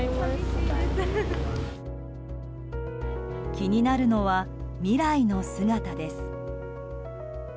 気になるのは未来の姿です。